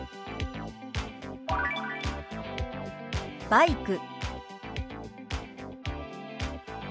「バイク」。